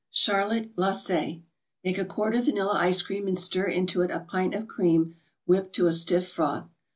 CHARLOTTE GLACÉ Make a quart of vanilla ice cream and stir into it a pint of cream whipped to a stiff froth.